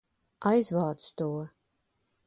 Aizvāc to!